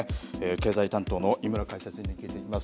経済担当の井村解説委員に聞いていきます。